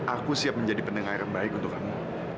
aku siap menjadi pendengar yang baik untuk kamu